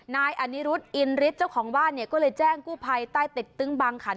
นายอนิรุธอินฤทธิ์เจ้าของบ้านเนี่ยก็เลยแจ้งกู้ภัยใต้เต็กตึ้งบางขัน